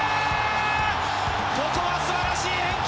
ここは素晴らしい連係！